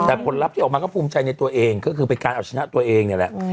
แต่ผลลัพธ์ที่ออกมาก็ภูมิใจในตัวเองก็คือเป็นการเอาชนะตัวเองนี่แหละ